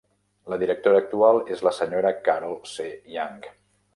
La directora actual és la sra. Carol C. Yang.